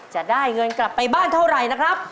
จะได้เงินกลับไปบ้านเท่าไหร่นะครับ